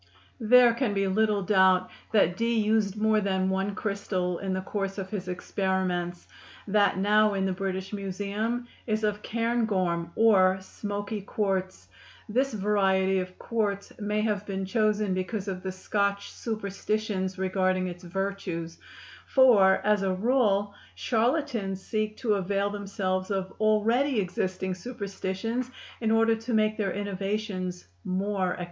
There can be little doubt that Dee used more than one crystal in the course of his experiments; that now in the British Museum is of cairngorm, or "smoky quartz." This variety of quartz may have been chosen because of the Scotch superstitions regarding its virtues; for, as a rule, charlatans seek to avail themselves of already existing superstitions in order to make their innovations more acceptable.